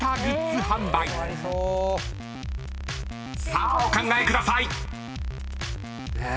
［さあお考えください］え？